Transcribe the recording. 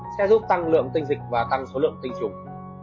sẽ giúp tăng lượng tinh dịch và tăng số lượng tinh trùng